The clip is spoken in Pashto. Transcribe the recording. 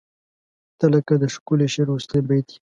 • ته لکه د ښکلي شعر وروستی بیت یې.